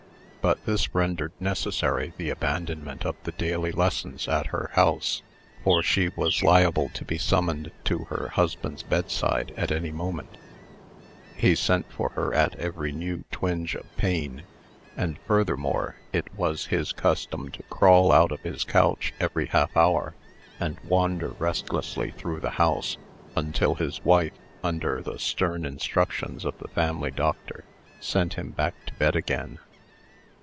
But this rendered necessary the abandonment of the daily lessons at her house; for she was liable to be summoned to her husband's bedside at any moment (he sent for her at every new twinge of pain); and, furthermore, it was his custom to crawl out of his couch every half hour, and wander restlessly through the house, until his wife, under the stern instructions of the family doctor, sent him back to bed again.